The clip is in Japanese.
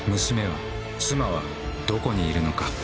娘は妻はどこにいるのか？